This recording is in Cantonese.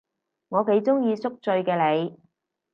我幾鍾意宿醉嘅你